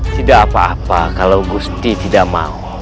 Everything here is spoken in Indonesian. tidak apa apa kalau gusti tidak mau